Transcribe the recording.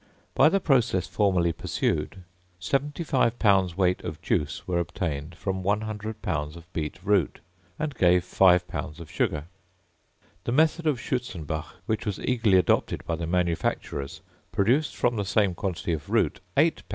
By the process formerly pursued, 75 lbs. weight of juice were obtained from 100 lbs. of beet root, and gave 5 lbs. of sugar. The method of Schutzenbach, which was eagerly adopted by the manufacturers, produced from the same quantity of root 8 lbs.